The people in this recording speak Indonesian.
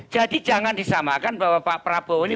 jadi jangan disamakan bahwa pak prabowo ini